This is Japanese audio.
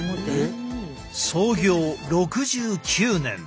創業６９年。